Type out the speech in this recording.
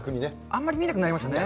あんまり見なくなりましたね。